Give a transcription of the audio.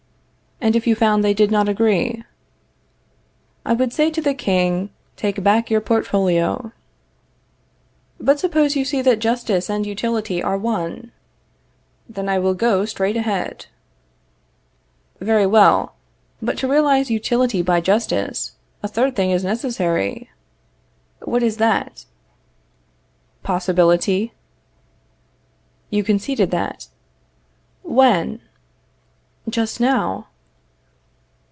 And if you found they did not agree? I would say to the King, take back your portfolio. But suppose you see that justice and utility are one? Then I will go straight ahead. Very well, but to realize utility by justice, a third thing is necessary. What is that? Possibility. You conceded that. When? Just now.